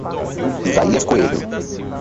Isaías Coelho